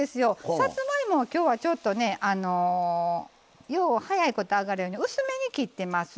さつまいも、きょうはよう早いこと揚がるように薄めに切ってます。